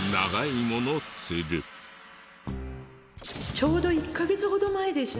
ちょうど１カ月ほど前でした。